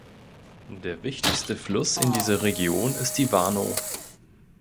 Der wichtigste Fluss in dieser Region ist die Warnow.